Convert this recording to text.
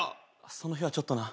その日はちょっとな。